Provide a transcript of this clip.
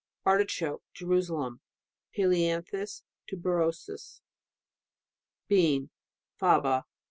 Artichoke, Jerusalem Helianthustuberosus. Bean Faba.